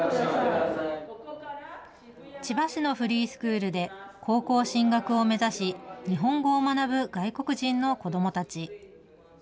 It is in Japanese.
千葉市のフリースクールで、高校進学を目指し、日本語を学ぶ外国人の子どもたち。